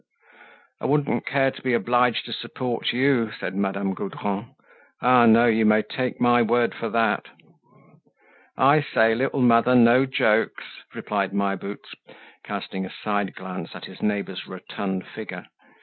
"I wouldn't care to be obliged to support you," said Madame Gaudron. "Ah, no; you may take my word for that!" "I say, little mother, no jokes," replied My Boots, casting a side glance at his neighbor's rotund figure.